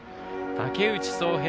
竹内颯平。